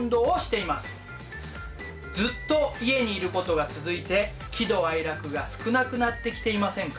ずっと家にいることが続いて喜怒哀楽が少なくなってきていませんか？